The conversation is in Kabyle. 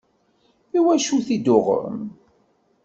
Iwacu i t-id-tuɣem?